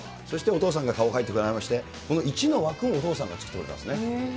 そしてお父さんが顔描いてもらいまして、この１の枠をお父さんが作ってくれたんですね。